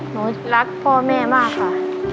รักพ่อแม่มากค่ะ